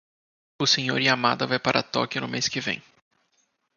O Sr. Yamada vai para Tóquio no mês que vem.